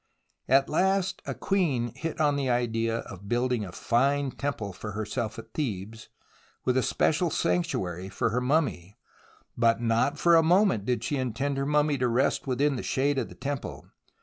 At last a queen hit on the idea of building a fine temple for herself at Thebes, with a special sanctuary for her mummy. But not for a moment did she intend her mummy to rest within the shade of the temple.